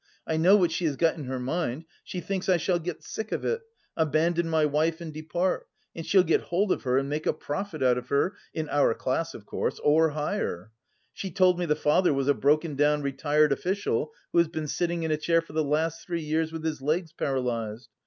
I know what she has got in her mind; she thinks I shall get sick of it, abandon my wife and depart, and she'll get hold of her and make a profit out of her in our class, of course, or higher. She told me the father was a broken down retired official, who has been sitting in a chair for the last three years with his legs paralysed.